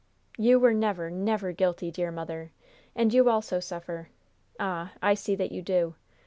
"You were never, never guilty, dear mother. And you also suffer. Ah! I see that you do.